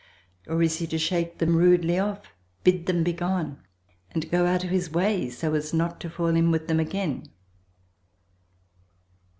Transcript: or is he to shake them rudely off, bid them begone, and go out of his way so as not to fall in with them again?